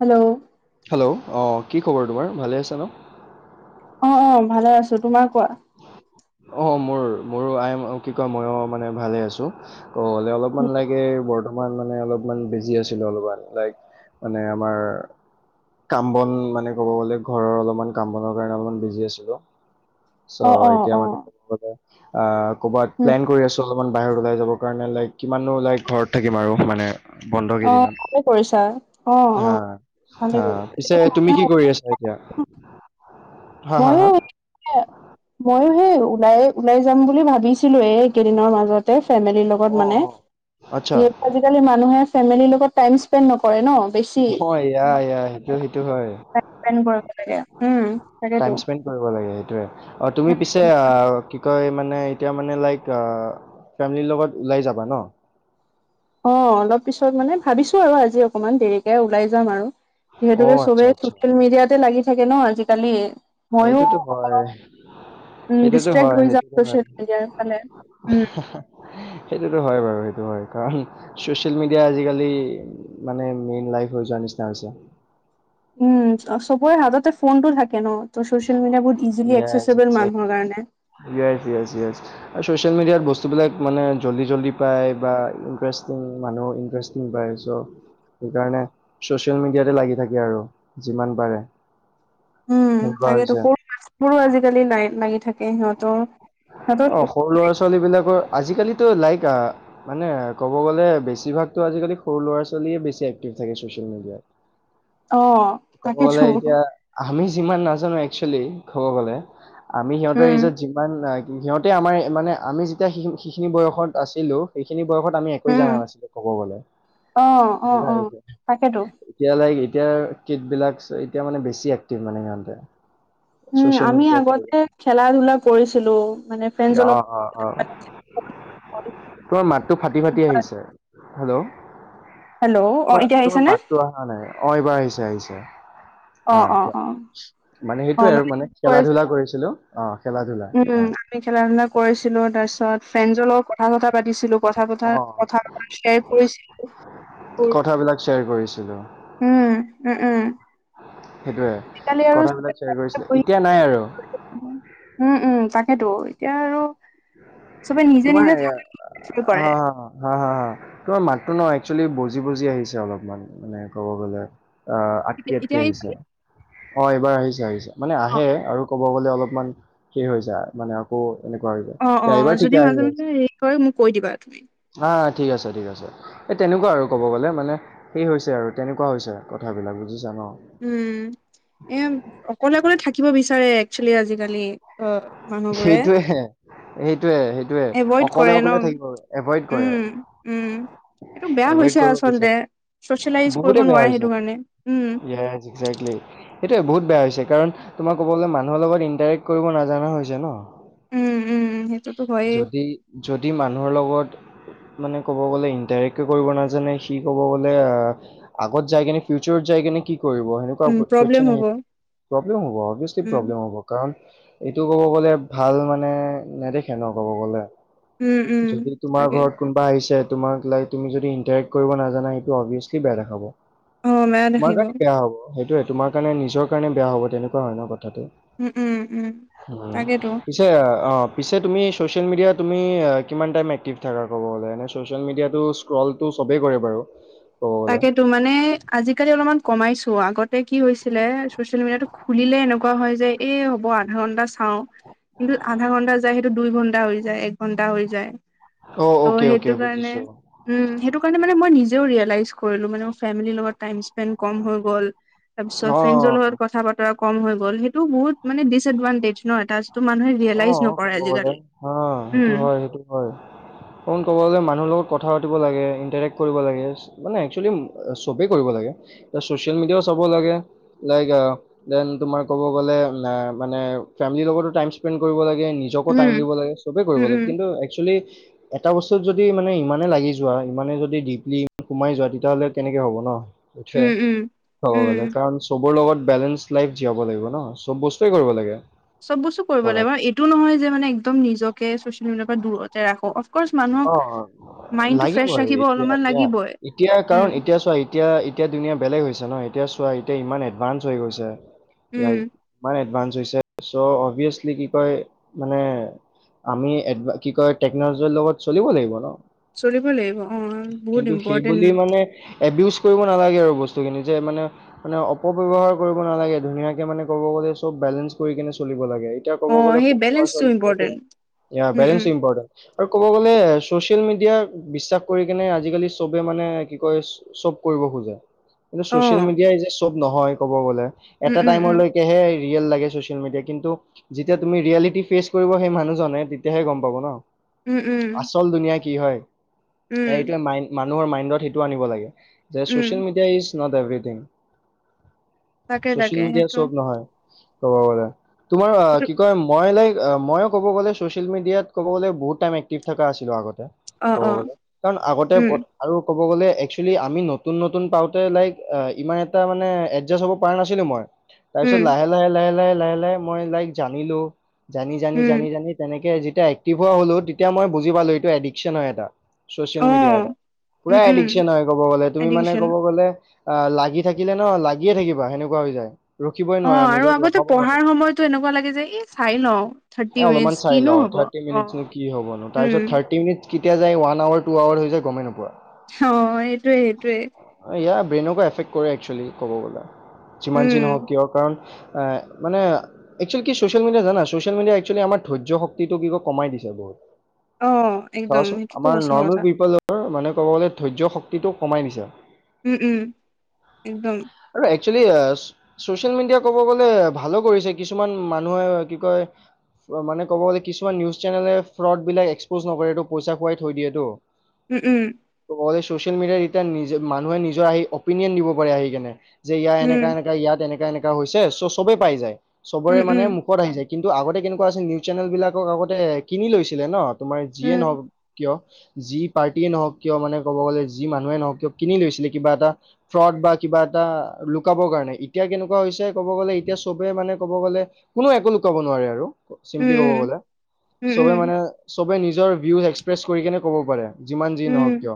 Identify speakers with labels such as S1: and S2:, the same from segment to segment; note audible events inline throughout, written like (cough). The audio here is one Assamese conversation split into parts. S1: হেল্ল',
S2: হেল্ল', অঁ কি খবৰ তোমাৰ ভালে আছে ন?
S1: অ-অ ভালে আছো। তোমাৰ কোৱা।
S2: অ মোৰ মোৰো আই কি কয় মইয়ো মানে ভালে আছো। ত হ'লে অলপমান লাগে বৰদ মানে অলপমান বিজি আছিলো অলপমান লাইক মানে আমাৰ কাম বন মানে ক'ব গ'লে ঘৰৰ অলপমান কাম বনৰ কাৰণে অলপমান বিজি আছিলো। চ
S1: অ অ
S2: এতিয়া
S1: অ
S2: মানে তম (unintelligible) অ কবাত
S1: উম
S2: প্লেন কৰি আছো৷ অলপমান বাহিৰত ওলাই যাবৰ কাৰণে, লাইক কিমাননো লাইক ঘৰত থাকিম আৰু মানে৷ বন্ধ
S1: অ
S2: কেইদিনত,
S1: ভালে কৰিছা অ অ
S2: হা -
S1: ভালে
S2: হা। পিছে
S1: কৰিছা।
S2: তুমি কি কৰি আছা এতিয়া? হা হা
S1: মইয়ো
S2: হা
S1: - (unintelligible) মইয়ো সেই ওলাই-ওলাই যাম বুলি ভাবিছিলোয়ে, এই কেইদিনৰ মাজতে ফেমিলিৰ লগত।
S2: অঁ অঁ আচ্ছা
S1: আজিকালি মানুহে ফেমিলিৰ লগত টাইম স্পেণ্ড নকৰে ন, বেছি
S2: অঁ এয়া এয়া সেইটো সেইটো হয়
S1: ম (unintelligible)
S2: টাইম স্পেন কৰিব লাগে সেইটোৱে। তুমি পিছে আ অ কি কয় মানে এতিয়া মানে লাইক ফেমিলিৰ লগত ওলাই যাবা ন?
S1: অ অলপ পিছত মানে ভাবিছো আৰু আজি অকমান দেৰিকে ওলাই যাম আৰু।
S2: অ
S1: যিহেতুকে
S2: আচ্ছা
S1: চবে
S2: আচ্ছা
S1: চচিয়েল মিডিয়াতে লাগি থাকে ন আজিকালি। মইয়ো
S2: সেইটোতো হয়।
S1: অকমান উম
S2: সেইটোতো
S1: ডিষ্ট্ৰেক্ট
S2: হয়
S1: হৈ যাওঁ
S2: সেইটোতো হয়।
S1: চচিয়েল মিডিয়াৰ ফালে উম
S2: সেইটোতো হয় বাৰু সেইটো হয়। কাৰণ চচিয়েল মিডিয়া আজিকালি মানে মেইন লাইফ হৈ যোৱাৰ নিচিনা হৈছে।
S1: উম, চবৰে হাততে ফোনটো থাকে ন। ত' ছচিয়েল মিডিয়া বোৰ ইজিলি একচেসেবল মানুহৰ কাৰণে৷
S2: ইয়েছ-ইয়েছ-ইয়েছ আৰু ছ'চিয়েল মিডিয়াত বস্তুবিলাক মানে জল্দি - জল্দি পায় বা ইণ্টাৰেষ্টিং মানুহ ইণ্টাৰেষ্ট কি পায় চ' সেইকাৰণে ছ'চিয়েল মিডিয়াতে লাগি থাকে আৰু যিমান পাৰে।
S1: উম
S2: সেনেকুৱা
S1: তাকেইতো
S2: হৈছে
S1: সৰুবোৰো আজিকালি নাই লাগি থাকে সিহঁতৰ সিহঁতৰ
S2: ল' ছোৱালীবিলাকৰ আজিকালিতো লাইক আ মানে ক'ব গ'লে বেছিভাগতো আজিকালি সৰু ল'ৰা ছোৱালীয়ে বেছি এক্টিভ থাকে ছচিয়েল মিডিয়াত।
S1: অ
S2: ক'ব
S1: তাকেতো
S2: গ'লে এতিয়া, আমি যিমান নাজানো একচুৱেলি কব গ'লে আমি সিহঁতৰ
S1: উম
S2: এইজত যিমান সিহঁতে আমাৰ মানে আমি যেতিয়া সেই সিখিনি বয়সত আছিলোঁ এইখিনি বয়সত আমি একোৱে
S1: উম
S2: জানা নাছিলো ক'ব গলে
S1: অ অ অ তাকেতো
S2: এতিয়া লাইক এতিয়া কিটবিলাকছ এতিয়া মানে বেছি এক্টিভ মানে সিহঁতে৷
S1: উম
S2: ছ'চিয়েল
S1: আমি
S2: মিডিয়াত
S1: আগতে খেলা ধূলা কৰিছিলো মানে ফ্ৰেণ্ডজৰ লগত
S2: অ-অ-অ তোমাৰ মাতটো ফাটি-ফাটি আহিছে৷ হেল্ল'
S1: হেল্ল' অ এতিয়া
S2: তোমাৰ-তোমাৰ
S1: আহিছেনে
S2: মাতটো অহা নাই অ এইবাৰ আহিছে আহিছে অ কোৱা মানে
S1: অ
S2: সেইটোয়ে আৰু মানে
S1: কৈ
S2: খেলা ধূলা
S1: আছিলো
S2: কৰিছিলো অ খেলা ধূলা অ
S1: উম আমি খেলা ধূলা কৰিছিলো তাৰছত ফ্ৰেনজৰ লগত কথা চথা পাতিছিলো কথা
S2: অ
S1: পতা কথা (unintelligible) শ্বেয়াৰ কৰিছিলো৷
S2: কথাবিলাক শ্বেয়াৰ কৰি গৈছিলোঁ৷
S1: উম-উম-উম
S2: সেইটোয়ে কথাবিলাক শ্বেয়াৰ কৰিছিলে এতিয়া নাই আৰু
S1: উম-উম তাকেতো এতিয়া আৰু চবে নিজে নিজে থাক (unintelligible) কৰে৷
S2: হা-হা-হা তোমাৰ মাতো ন একচুৱেলি বজি-বজি আহিছে অলপমান মানে ক'ব গ'লে৷ অ, আটকে - আটকে
S1: এতিয়া এই
S2: আহিছে অ, এইবাৰ আহিছে - আহিছে মানে
S1: অ
S2: আহে আৰু কব কব গ'লে অলপমান হে হৈ যায় মানে আকৌ এনেকুৱা হৈ যায়।
S1: অ',
S2: এইবাৰ
S1: অ',
S2: ঠিকে
S1: যদি
S2: আহি আছে
S1: মাজে-মাজে হেৰি কৰে মোক কৈ দিবা তুমি।
S2: হা ঠিক আছে - ঠিক আছে। এ তেনেকুৱা আৰু ক'ব গলে মানে সেই হৈছে আৰু তেনেকুৱা হৈছে কথাবিলাক বুজিছা ন।
S1: উম, এ অকলে-অকলে থাকিব বিচাৰে। একচলি আজিকালি অ, মানুহবোৰে
S2: সেইটোয়ে-সেইটোয়ে
S1: এভইড কৰে
S2: অকলে-অকলে
S1: ন
S2: থাকিব এভইড কৰে।
S1: উম, উম, এইটো বেয়া
S2: এভইড
S1: হৈছে
S2: কৰিব
S1: আচলতে।
S2: পিছত
S1: চচিয়েলাইজ কৰিব
S2: বহুতে বেয়া
S1: নোৱাৰে
S2: হৈছে
S1: সেইটো কাৰণে। উম,
S2: য়ে একজেক্টলী সেইটোৱে বহুত বেয়া হৈছে কাৰণ তোমাৰ ক'ব গলে মানুহৰ লগত ইণ্টাৰেক্ট কৰিব নাজানা হৈ যায় ন
S1: উম, উম, সেইটোতো হয়েই।
S2: যদি যদি মানুহৰ লগত মানে ক'ব গ'লে ইণ্টাৰেক্ট কৰিব নাজানে সি ক'ব গ'লে আহ আগত যাই কিনে ফিউচাৰত যাই কিনে কি কৰিব সেনে আহ
S1: উম, প্ৰব্লেম
S2: (unintelligible)
S1: হ'ব।
S2: হিয় প্ৰব্লেম হ'ব অব্যেশ্লী
S1: উম,
S2: প্ৰব্লেম হব। কাৰণ এইটো ক'ব গ'লে ভাল মানে নেদেখে ন ক'ব গ'লে।
S1: উম, উম,
S2: যদি তোমাৰ
S1: তাকে।
S2: ঘৰত কোনোবা আহিছে তোমাক লাইক তুমি যদি ইণ্টাৰেক্ট কৰিব নাজানা সেইটো অভিয়াছলি বেয়া দেখাব।
S1: অ', বেয়া
S2: তোমাৰ
S1: দেখিব।
S2: কাৰণে বেয়া হব সেইটোয়ে তোমাৰ কাৰণে নিজৰ কাৰণে বেয়া হব তেনেকুৱা হয় ন কথাটো।
S1: উম - উম - উম।
S2: উম,
S1: তাকেতো।
S2: পিছে অ, পিছে তুমি ছ'চিয়েল মিডিয়া তুমি কিমান টাইম এক্টিভ থাকা ক'ব গ'লে এনে ছ'চিয়েল মিডিয়াটো ট্ৰলটো চবেই কৰে বাৰু ক'ব গ'লে।
S1: তাকেতো মানে আজিকালি অলপমান কমাইছো আগতে কি হৈছিলে চচিয়েল মিডিয়াতো খুলিলে এনেকুৱা হয় যে এই হ'ব আধা ঘন্টা চাও। কিন্তু আধা ঘণ্টা যায় সেইটো দুই ঘণ্টা হৈ যায় এক ঘণ্টা হৈ যায়।
S2: অ
S1: ত'
S2: অ'কে অ'কে
S1: সেইটো কাৰণে।
S2: বুজিছো
S1: উম, সেইটো কাৰণে মই নিজে ৰেলাইচ কৰিলো মানে মোৰ ফেমেলি লগত টাইমচ স্পেণ্ড কম হৈ গ'ল তাৰপিছত
S2: অ
S1: ফ্ৰেণ্ডছৰ লগত কথা-বতৰা কম হৈ গ'ল সেইটো বহুত মানে ডিচএডভানটেজ ন এটা যিটো মানুহে
S2: অ,
S1: ৰিয়েলাইজ নকৰে
S2: ক'ব গ'লে
S1: আজিকালি
S2: হ সেইটো
S1: উম
S2: হয়-সেইটো হয়। ক'ব গ'লে মানুহৰ লগত কথা পাতিব লাগে ইন্টাৰেক্ট কৰিব লাগে। মানে একচুৱেলি এ চবেই কৰিব লাগে এ চচিয়েল মিডিয়াও চাব লাগে। লাইক আহ দেন তোমাৰ ক'ব গলে মা মানে ফেমলিৰ লগতো টাইমচ স্পেড কৰিব লাগে নিজকো টাইম
S1: উম
S2: দিব লাগে সবেই কৰিব
S1: উম
S2: লাগে।
S1: উম
S2: কিন্তু একচুৱেলি এটা বস্তুত যদি মানে ইমানে লাগি যোৱা। ইমানে যদি ডিপলি সোমাই যোৱা। তেতিয়াহ'লে কেনেকে হ'ব ন।
S1: উম উম
S2: হ'ব গলে
S1: উম
S2: কাৰণ চবৰ লগত বেলেঞ্চ লাইফ জীয়াব লাগিব ন চব বস্তুৱেই কৰিব লাগে।
S1: চব বস্তু কৰিব লাগে
S2: কৰাত
S1: বু এইটো নহয় যে মানে একদম নিজকে ছচিয়েল মডিয়াৰ পৰা দূৰত ৰাখো অফকৰ্চ মানুহক মাইণ্ডটো
S2: লাগিব
S1: ফ্ৰেছ ৰাখিব অলপমান লাগিবই
S2: এতিয়া-এতিয়া-এতিয়া কাৰণ
S1: উম
S2: এতিয়া চোৱা এতিয়া-এতিয়া ধুনীয়া বেলেগ হৈছে ন। এতিয়া চোৱা এতিয়া ইমান এডভানঞ্চ হৈ গৈছে
S1: উম
S2: লাইক ইমান এডভানস হৈছে। চ' অভিয়াচলি কি কয়, মানে আমি কি কয়, টেকনলজিৰ লগত চলিব লাগিব ন।
S1: চলিব লাগিব অ, বহুত
S2: কিন্তু
S1: ইম্পৰ্টেণ্ট
S2: সেইবুলি
S1: ন।
S2: মানে এবিউজ কৰিব নালাগে আৰু বস্তুখিনি যে মানে মানে অপব্যয়ৱহাৰ কৰিব নালাগে ধুনীয়াকে মানে ক'ব গ'লে চব বেলেঞ্চ কৰি কেনে চলিব লাগে। এতিয়া ক'ব
S1: অ
S2: গ'লে
S1: সেই
S2: সৰু
S1: বেলেঞ্চটো
S2: ল'ৰা-ছোৱালী বিলাকে
S1: important um
S2: balance
S1: um
S2: important. ক'ব গ'লে ছ'চিয়েল মিডিয়াক বিশ্বাস কৰি কিনে আজিকালি চবে মানে কি কয় চব কৰিব খোজে কিন্তু চচিয়েল
S1: অ',
S2: মিডিয়াই যে চব নহয় ক'ব গলে
S1: উম,
S2: এটা
S1: উম, উম,
S2: টাইমলৈ সেইহে ৰিয়েল লাগে চ'চিয়েল মিডিয়া, কিন্তু যেতিয়া তুমি ৰিয়েলিটি ফেচ কৰিব সেই মানুহজনে তেতিয়াহে গম পাব ন।
S1: উম, উম,
S2: আচল দুুনীয়া কি হয়।
S1: উম,
S2: এইটোৱে মাইন মানুহৰ মাইণ্ডত সেইটো আনিব লাগে। যে
S1: um,
S2: social media is not everything.
S1: তাকে
S2: চ'চিয়েল
S1: তাকে
S2: মিডিয়া
S1: সেইটো
S2: চব নহয়। ক'ব গলে। তোমাৰ অ
S1: সেইটো
S2: কি কয় মই লাইক ময়ো ক'ব গলে চ'চিয়েল মিডিয়াত ক'ব গ'লে বহুত টাইম এক্টিভ থকা আছিলো আগতে।
S1: অ',
S2: ক'ব
S1: অ',
S2: গ'লে কাৰণ আগতে প
S1: উম,
S2: আৰু ক'ব গ'লে একচুৱেলি আমি নতুন নতুন পাওঁতে লাইক ইমান এটা মানে এডজাষ্ট হ'ব পাৰা নাছিলো মই।
S1: উম,
S2: তাৰপিছত লাহে, লাহে, লাহে, লাহে, লাহে, লাহে, মই লাইক জানিলো। জানি, জানি,
S1: উম,
S2: জানি, জানি তেনেকে যেতিয়া এক্টিভ হোৱা হলো তেতিয়া মই বুজি পালো এইটো এডিকশন হয় এটা। চ'চিয়েল মিডিয়া
S1: অ',
S2: এটা। পুৰা
S1: উম, উম,
S2: এডিকচন হয় কব গলে তুমি মানে
S1: এডুকেশ্যন
S2: কব গ'লে অ লাগি থাকিলে ন লাগিয়ে থাকিবা সেনেকুৱা হৈ যায়। ৰখিবই
S1: অ
S2: নোৱাৰা
S1: আৰু
S2: নিজক
S1: আগতে
S2: ৰখাব নোৱাৰা।
S1: পঢ়াৰ সময়তো এনেকুৱা লাগে যে এই চাই লওঁ থাৰ্টি মিনিট্চ কিনো হ'ব।
S2: টি মিনিট্চ নো
S1: অ',
S2: কি হব নো? তাৰপিছত
S1: উম,
S2: থাৰ্টি মিনিটছ কেতিয়া যাই ওৱান আৱাৰ টু আৱাৰ হৈ যায় গমেই নোপোৱা।
S1: অহ এইটোয়ে, এইটোয়ে।
S2: ইয়াৰ ব্ৰেইনকো এফেক্ট কৰে একচুৱেলি ক'ব গ'লে যিমান যিহওক
S1: উম,
S2: কিয় কাৰণ মানে এক্সুৱেলি কি ছ'চিয়েল মিডিয়া জানা ছ'চিয়েল মিডিয়াই এক্সুৱেলি আমাৰ ধৈয্য শক্তিটো কি কমাই দিছে।
S1: অ',
S2: (unintelligible)
S1: একদম
S2: ধৰাচোন
S1: সেইটোতো
S2: আমাৰ
S1: সঁচা
S2: নৰ্মেল
S1: কথা
S2: পিপল মানে ক'ব গ'লে ধৈৰ্য্য শক্তিটো কমাই নিছে।
S1: উম, উম, একদম।
S2: আৰু একচেলি অ চ চচিয়েল মিডিয়া কব গ'লে ভালো কৰিছে কিছুমান মানুহে কি কয় মানে ক'ব গ'লে কিছুমান নিউজ চেনেলে ফ্ৰড বিলাক এক্সপ'জ নকৰে এইটো পইচা খুৱাই থৈ দিয়েটো।
S1: উম, উম।
S2: ত ক'লে ছচিয়েল মিডিয়াত এতিয়া নিজে মানুহে নিজৰ আহি অপিনিয়ন দিব পাৰে আহি কেনে। যে ইয়াৰ
S1: উম,
S2: এনেকা-এনেকা ইয়াত এনেকা-এনেকা হৈছে চ' চবেই পাই যায়। চবৰে
S1: উম,
S2: মানে
S1: উম,
S2: মুখ ত আহি যাই। কিন্তু আগতে কেনেকোৱা আছিল নিউজ চেনেল বিলাকক আগতে কিনি লৈছিলে ন! তোমাৰ যিয়ে
S1: উম,
S2: নহওক কিয় যি পাৰ্টিয়ে নহওক কিয় মানে ক'ব গ'লে যি মানুহে নহওক কিয় কিনি লৈছিলে কিবা এটা ফ্ৰড বা কিবাট এটা লুকাবৰ কাৰণে। এতিয়া কেনেকুৱা হৈছে ক'ব গ'লে এতিয়া চবে মানে ক'ব গ'লে কোনো একো লোকাব নোৱাৰে আৰু। চিম্পলি
S1: উম,
S2: কব
S1: উম,
S2: গ'লে।
S1: উম, উম,
S2: চবে মানে চবে নিজৰ ভিউজ এক্সপ্ৰেছ কৰি কেনে ক'ব পাৰে। যিমান যি
S1: উম,
S2: নহওক কিয়।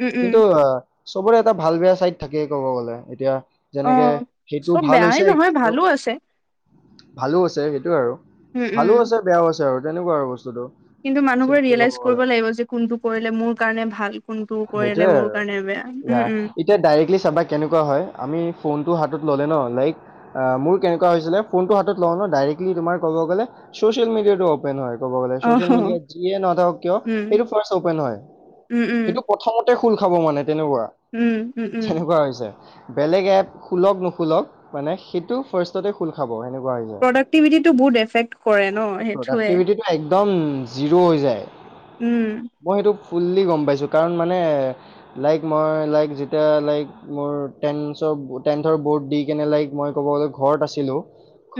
S1: উম, উম,
S2: কিন্তু চবৰে এটা ভাল বেয়া চাইড থাকেই ক'ব গ'লে। এতিয়া
S1: অ
S2: যেনেকে সেইটো
S1: চব
S2: ভাল
S1: বেয়াই
S2: হৈছে
S1: নহয়
S2: কিন্তু
S1: ভালো আছে
S2: ভালো আছে সেইটোয়ে আৰু।
S1: উম উম
S2: ভালো আছে বেয়াও আছে আৰু তেনেকোৱা আৰু বস্তুটো।
S1: কিন্তু মানুহবোৰে
S2: চিম্পলি ক'ব
S1: ৰিয়েলাইজ
S2: গ'লে
S1: কৰিব লাগিব যে কোনটো কৰিলে মোৰ কাৰণে ভাল কোনটো কৰিলে মোৰ কাৰণে বেয়া।
S2: এতিয়া
S1: উম উম
S2: এতিয়া ডাইৰেক্টলি চাবা কেনেকোৱা হয় আমি ফোনটো হাতত ল'লে ন লাইক অ মোৰ কেনেকোৱা হৈছিলে ফোনটো হাতত লও ন ডাইৰেক্টলি তোমাৰ ক'ব গ'লে ছ'চিয়েল মিডিয়াটো অ পেন হয় কব গলে
S1: অহ
S2: চচিয়েল মিডিয়াত যিয়ে নাথাকক কিয়
S1: উম
S2: এইটো ফাৰ্ষ্ট অপেন হয়।
S1: উম উম
S2: সেইটো প্ৰথমতে খোল খাব মানে তেনেকোৱা,
S1: উম উম উম
S2: তেনেকোৱা হৈছে। বেলেগ এপ খুলক-নুখলক মানে সেইটো ফাৰ্ষ্ট ততে খোল খাব সেনেকোৱা হৈ যায়।
S1: প্ৰডাক্টিভিটিটো বহুত এফেক্ট কৰে ন সেইটোৱে
S2: প্ৰডাক্টিভিটিতো একদম জিৰ' হৈ যায়।
S1: উম।
S2: মই সেইটো ফুল্লি গম পাইছো কাৰণ মানে লাইক মই লাইক যেতিয়া লাইক মোৰ টেনছৰ টেন্থৰ বৰ্ড দি কেনে লাইক মই ক'ব গ'লে ঘৰত আছিলো।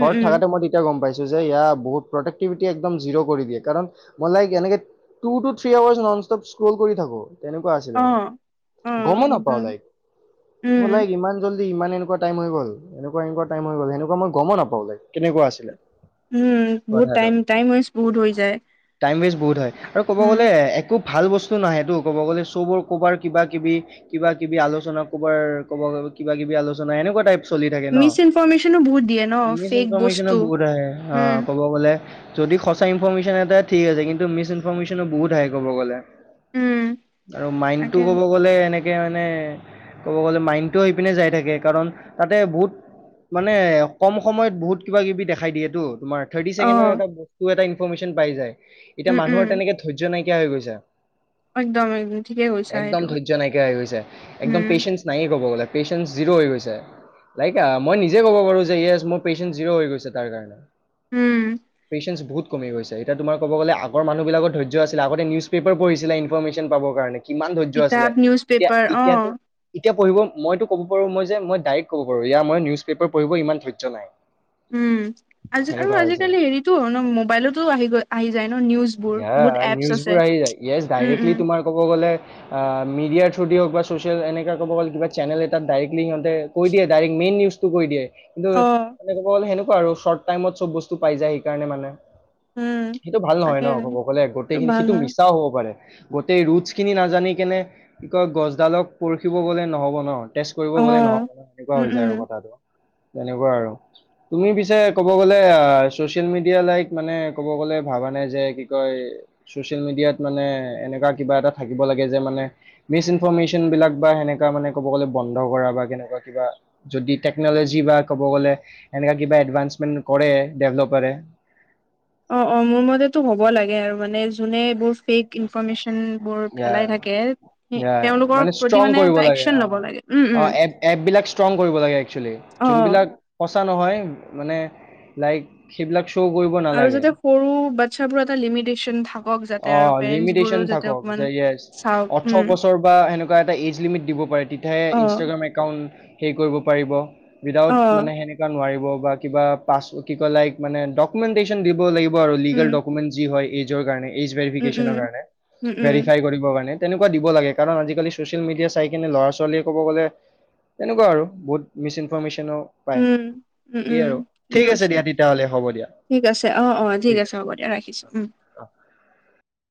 S1: উম উম
S2: থাকাতে মই তেতিয়া গম পাইছো যে ইয়া বহুত প্ৰডাক্টিভিটি একদম জিৰ' কৰি দিয়ে কাৰণ মই লাইক এনেকে two two three hours non stop scroll কৰি থাকো তেনেকোৱা আছিলে
S1: অ অ
S2: মোৰ। গমো নাপাওঁ
S1: একদম
S2: লাইক।
S1: উম
S2: ভ'লাইক ইমান- জলদি ইমান এনেকোৱা টাইম হৈ গ'ল এনেকোৱা এনেকোৱা টাইম হৈ গল সেনেকোৱা মই গম নাপাও লাইক কেনেকোৱা আছিলে।
S1: উম বহুত
S2: কথাটো
S1: টাইম টাইম ৱেষ্ট বহুত হৈ যায়।
S2: টাইম ৱেষ্ট বহুত হয় আৰু ক'ব
S1: উম
S2: গ'লে একো। ভাল বস্তু নাহে তো ক'ব গ'লে চব ক'বাৰ কিবা কিবি কিবা কিবি আলোচনা- ক'বাৰ ক'ব কিবা কিবি আলোচনা এনেকোৱা টাইপ। চলি থাকে ন
S1: মিচ ইনফৰমেশ্যনো বহুত দিয়ে ন
S2: মিচ
S1: ফেক
S2: ইনফৰমেশচন
S1: বস্তু
S2: বহুত আহে
S1: উম
S2: অঁ ক'ব গলে। যদি সঁচা ইনফৰৰ্মেশ্যন এটা ঠিক আছে কিন্তু মিচ ইনফৰ্মমেশ্যনো বহুত হাই ক'ব গ'লে।
S1: উম
S2: আৰু মাইণ্ডটো
S1: তাকে
S2: ক'ব গ'লে এনেকে মানে- ক'ব গ'লে মাইণ্ডটো আহি পিনে যাই থাকে, কাৰণ তাতে বহুত- মানে কম সময়ত বহুত কিবা কিবি দেখাই দিয়েতো তোমাৰ- থাৰ্টি
S1: অ
S2: ছেকেণ্ডৰ এটা বস্তু এটা ইনফেশ্যন পাই যায় এতিয়া
S1: উম
S2: মানুহৰ
S1: উম
S2: তেনেকে ধৈৰ্য্য নাইকিয়া হৈ গৈছে।
S1: একদম একদম ঠিকে কৈছা
S2: একদম
S1: সেইটো
S2: ধৈৰ্য্য নাইকিয়া হৈ গৈছে, একদম
S1: উম
S2: পেচে- ণ্ট নাইয়ে ক'ব গলে, পেচেঞ্চ জিৰো হৈ গৈছে। লাইক মই নিজে ক'ব পাৰো যে ইয়েছ মোৰ পেচেন্ট জিৰ' হৈ গৈছে তাৰ কাৰণে।
S1: উম
S2: চেঞ্চ বহুত কমি গৈছে, এতিয়া তোমাৰ ক'ব গলে আগৰ মানুহবিলাকৰ ধৈয্য আছিল আগতে নিউজ পেপাৰ। পঢ়িছিলে ইনফৰ্মেশ্যন পাবৰ কাৰণে কিমান ধৈৰ্য্য
S1: কিতাপ
S2: আছিলে
S1: নিউজ
S2: এতিয়া
S1: পেপাৰ অ
S2: এতিয়াতো- এতিয়া পঢ়িব মইতো ক'ব পাৰো মই যে মই ডাইৰেক্ট কব পাৰো এইয়া মই নিউজ পেপাৰ পঢ়িব ইমান ধৈৰ্য্য নাই।
S1: উম আজি আৰু
S2: সেনেকুৱা হৈছে
S1: আজিকালি হেৰিতো হয় ন মোবাইলতো আহি গৈ- আহি যায় ন নিউজ বোৰ
S2: ইয়াৰ
S1: বহুত এপচ
S2: নিউজবোৰ
S1: আছে
S2: আহি যায় য়েছ
S1: উম
S2: ডাইৰেক্টলি
S1: উম।
S2: তোমাৰ ক'ব গ'লে- আ মিডিয়া থ্ৰু দি হওক বা‌ চচিয়েল এনেকে ক'ব গ'লে কিবা চেনেল এটাত ডাইৰেক্টলি সিহঁতে কৈ দিয়ে ডাইৰেক্ট মেইন নিউজ- টো কৰি দিয়ে কিন্তু
S1: অ
S2: মানে ক'ব গ'লে সেনেকোৱা আৰু শৰ্ট টাইমত চব বস্তু পাই যায় সেইকাৰণে মানে।
S1: উম
S2: সেইটো ভাল নহয়
S1: তাকে
S2: ন,
S1: এইটো
S2: অকলে গোটেই খিনি
S1: ভাল
S2: সেইটো
S1: হয়
S2: মিছাও হ'ব পাৰে। গোটেই ৰুটছখিনি নাজানি কেনে কি কয় গছডালক পৰখিব গ'লে নহ'ব নহ। টেষ্ট কৰিব
S1: অ
S2: গ'লে নহব সেনেকুৱা
S1: উম
S2: হৈ যায়
S1: উম
S2: আৰু কথাটো তেনেকুৱা আৰু। তুমি পিছে ক'ব গ'লে আ ছচিয়েল মিডিয়া লাইক মানে ক'ব গ'লে ভাবা নাই যে- কি কয় ছচিয়েল মিডিয়াত মানে এনেকোৱা কিবা এটা থাকিব লাগে যে মানে- মিচ ইনফমেশ্যন বিলাক বা সেনেকা মানে ক'ব গ'লে বন্ধ কৰা বা কেনেকোৱা কিবা- যদি টেকনলজি বা ক'ব গ'লে এনেকোৱা কিবা এডভান্সমেণ্ট কৰে ডেভেলপাৰে।
S1: অঁ অঁ মোৰ মতেতো হব লাগে মানে যোনে এইবোৰ ফেক ইনফৰ্মেশ্য। ন বোৰ ফেলাই থাকে, সে
S2: ইয়াই
S1: তেওঁলোকৰ প্ৰতি মানে এটা একচন ল'ব লাগে। উম উম
S2: অঁ এ এপ বিলাক ষ্ট্ৰং কৰিব লাগে, একচলি
S1: অ
S2: যোনবিলাক- সঁচা নহয় মানে লাইক সেইবিলাক শ্ব' কৰিব
S1: আৰু
S2: নালাগে।
S1: যাতে সৰু বাচ্ছা বোৰ এটা লিমিটেশচন থাক-
S2: অঁ লিমিটেশ্যন থাকক যে য়েছ।
S1: চাওক
S2: অঠৰ
S1: উম
S2: বছৰ বা এনেকুৱা এটা এইজ লিমিট দিব পাৰে তেতিয়াহে
S1: অ
S2: ইনষ্টাগ্ৰামে- কাউণ্ট হেৰি কৰিব পাৰিব, উইডাউট
S1: অ
S2: মানে সেনে- না নোৱাৰিব বা কিবা পাছ কি কয় লাইক মানে ডকুমেণ্টেশ্যন দিব লাগিব আৰু লিগেল
S1: উম
S2: ডক- মেন যি হয় এইজৰ কাৰণে এইজ
S1: উম
S2: ভেৰিফিকেশ্যনৰ
S1: উম
S2: কাৰণে
S1: উম উম
S2: ভেৰিফাই কৰিব কাৰণে। তেনেকুৱা দিব লাগে, কাৰণ আজিকালি চচিয়েল মিডিয়া চাই কিনে ল'ৰা ছোৱালীয়ে ক'ব গ'লে- তেনেকুৱা আৰু বহুত মিছ ইনফৰৰ্মেশ্যনো- পাই,
S1: উম উম
S2: সেই
S1: উম
S2: আৰু
S1: ঠিকে
S2: ঠিক
S1: কৈছা
S2: আছে দিয়া তেতিয়াহলে হ'ব দিয়া।
S1: ঠিক আছে অঁ অঁ ঠিক আছে হ'ব দিয়া ৰাখিছোঁ। উম
S2: অঁহ।